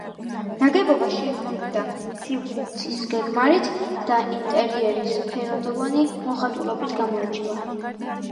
ნაგებობა შიდა სივრცის გეგმარებით და ინტერიერის ფერადოვანი მოხატულობით გამოირჩევა.